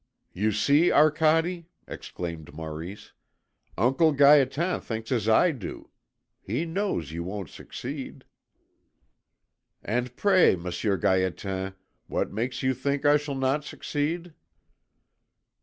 "You see, Arcade," exclaimed Maurice, "Uncle Gaétan thinks as I do. He knows you won't succeed." "And, pray, Monsieur Gaétan, what makes you think I shall not succeed?"